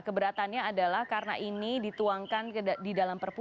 keberatannya adalah karena ini dituangkan di dalam perpu